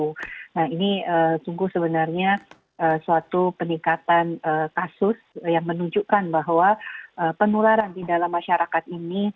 nah ini sungguh sebenarnya suatu peningkatan kasus yang menunjukkan bahwa penularan di dalam masyarakat ini